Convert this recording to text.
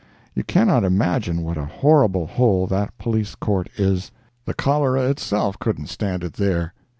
You cannot imagine what a horrible hole that Police Court is. The cholera itself couldn't stand it there.